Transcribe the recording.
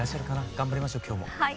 頑張りましょう今日も。